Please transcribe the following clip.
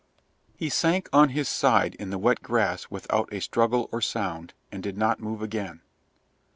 He sank on his side in the wet grass without a struggle or sound, and did not move again.